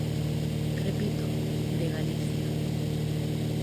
Repito, de Galicia.